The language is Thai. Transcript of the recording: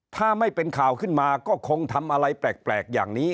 ถ้าไม่เป็นข่าวขึ้นมาก็คงทำอะไรแปลกอย่างนี้